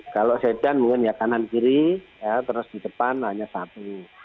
kalau sedan mungkin ya kanan kiri terus di depan hanya satu